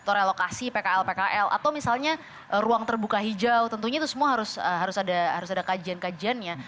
atau relokasi pkl pkl atau misalnya ruang terbuka hijau tentunya itu semua harus ada kajian kajiannya